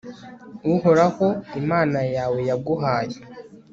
uhoraho imana yawe yaguhaye